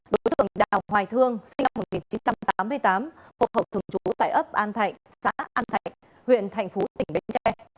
đối tượng đào hoài thương sinh năm một nghìn chín trăm tám mươi tám phục hợp thường trú tại ấp an thạnh xã an thạnh huyện thành phố tỉnh bến tre